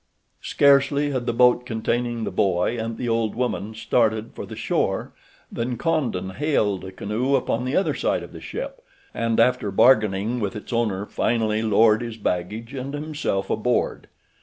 Scarcely had the boat containing the boy and the old woman started for the shore than Condon hailed a canoe upon the other side of the ship, and after bargaining with its owner finally lowered his baggage and himself aboard.